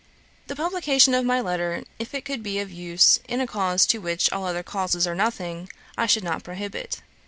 'The publication of my letter, if it could be of use in a cause to which all other causes are nothing, I should not prohibit.